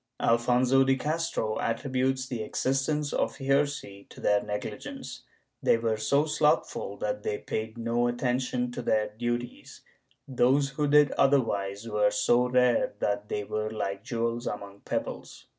Alfonso de Castro attributes the existence of heresy to their negligence; they were so slothful that they paid no attention to their duties; those who did otherwise were so rare that they were like jewels among pebbles.